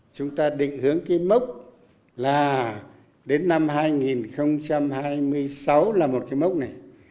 chúng ta định hướng cái mốc là đến năm hai nghìn hai mươi sáu là một cái mốc này